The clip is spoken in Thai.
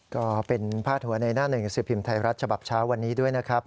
ก็เป็นพาดหัวในหน้าหนึ่งสิบพิมพ์ไทยรัฐฉบับเช้าวันนี้ด้วยนะครับ